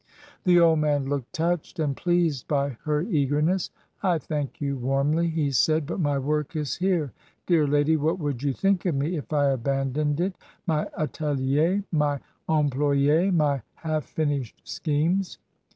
The old man looked touched and pleased by her eagerness. "I thank you warmly," he said, "but my work is here. Dear lady, what would you think of me if I abandoned it — my ateliers^ my em ploy Is ^ my half finished schemes?"